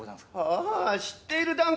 ああ知っている段か。